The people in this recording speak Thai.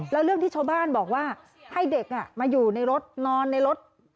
แล้วเรื่องที่ชาวบ้านบอกว่าให้เด็กมาอยู่ในรถนอนในรถ